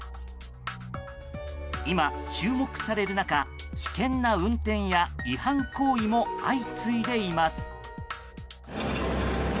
今、注目される中危険な運転や違反行為も相次いでいます。